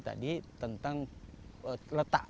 tadi tentang letak